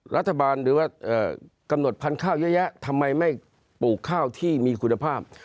รัฐบาลหรือว่ากำหนดพันข้าวยาทำไมไม่ปลูกข้าวที่มีคุณภาพ